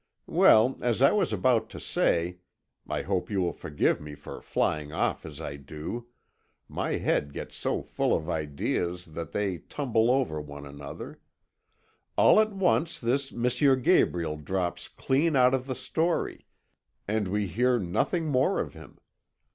Well, as I was about to say I hope you will forgive me for flying off as I do; my head gets so full of ideas that they tumble over one another all at once this M. Gabriel drops clean out of the story, and we hear nothing more of him.